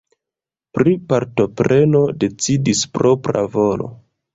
Pri partopreno decidis propra volo.